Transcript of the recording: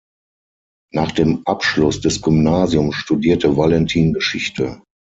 Nach dem Abschluss des Gymnasiums studierte Valentin Geschichte.